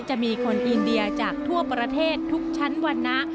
จะมีคนอินเดียจากทั่วประเทศทุกชั้นวรรณะ